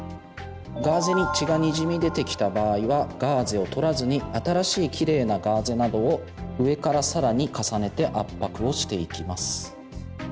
ガーゼに血がにじみ出てきた場合はガーゼを取らずに新しいキレイなガーゼなどを上から更に重ねて圧迫をしていきます。